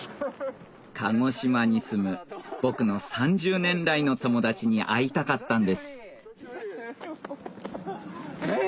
鹿児島に住む僕の３０年来の友達に会いたかったんですえ